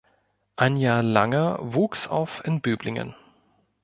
Anja Langer wuchs auf in Böblingen.